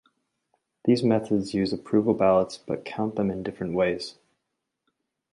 These methods use approval ballots but count them in different ways.